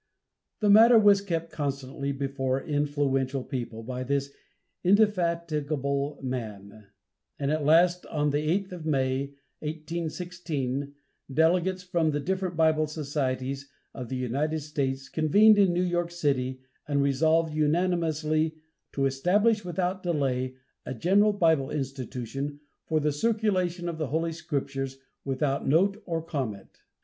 The matter was kept constantly before influential people by this indefatigable man, and at last on the 8th of May, 1816, delegates from the different Bible societies of the United States convened in New York city, and resolved unanimously "to establish, without delay, a General Bible Institution, for the circulation of the Holy Scriptures, without note or comment."